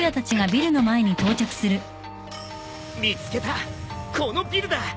見つけたこのビルだ！